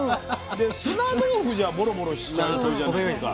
で砂豆腐じゃボロボロしちゃうじゃないですか。